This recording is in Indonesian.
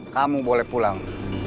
kamu boleh pulang